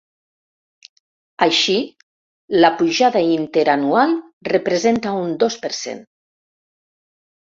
Així, l’apujada interanual representa un dos per cent.